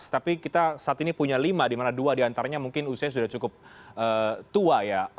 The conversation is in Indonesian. tapi kita saat ini punya lima dimana dua diantaranya mungkin usia sudah cukup tua ya